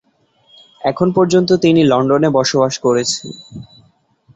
এখন পর্যন্ত তিনি লন্ডনে বসবাস করছেন।